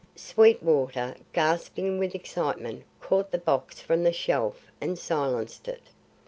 Sweetwater, gasping with excitement, caught the box from the shelf and silenced it.